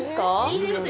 いいですよ。